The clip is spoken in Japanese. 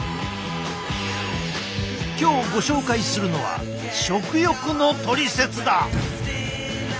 今日ご紹介するのは「食欲のトリセツ」だ！